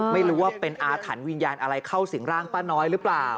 ไม่รู้ว่าเป็นอาถรรพ์วิญญาณอะไรเข้าสิ่งร่างป้าน้อยหรือเปล่า